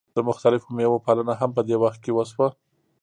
د مختلفو میوو پالنه هم په دې وخت کې وشوه.